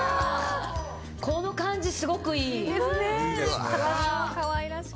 この感じすごくいい！